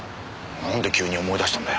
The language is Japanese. なんで急に思い出したんだよ。